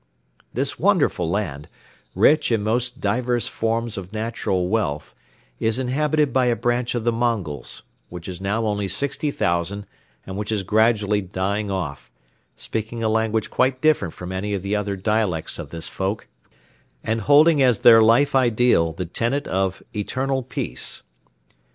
This wonderful land, rich in most diverse forms of natural wealth, is inhabited by a branch of the Mongols, which is now only sixty thousand and which is gradually dying off, speaking a language quite different from any of the other dialects of this folk and holding as their life ideal the tenet of "Eternal Peace."